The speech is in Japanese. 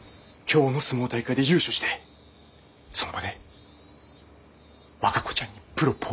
今日の角力大会で優勝してその場で和歌子ちゃんにプロポーズする。